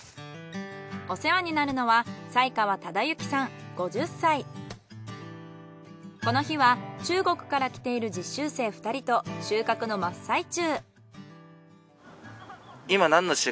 お世話になるのはこの日は中国から来ている実習生２人と収穫の真っ最中。